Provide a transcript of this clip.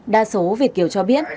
đa số việt kiều cho biết